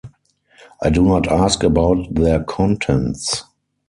I do not ask about their contents.